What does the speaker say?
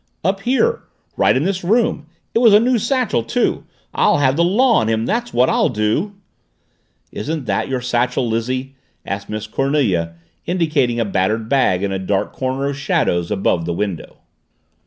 "Up here. Right in this room. It was a new satchel too. I'll have the law on him, that's what I'll do." "Isn't that your satchel, Lizzie?" asked Miss Cornelia, indicating a battered bag in a dark corner of shadows above the window.